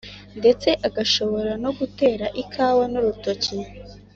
ndetse agashobora no gutera ikawa n’urutoki.